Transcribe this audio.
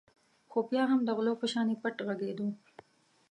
خو بیا هم د غلو په شانې پټ غږېدو.